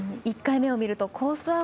１回目を見るとコース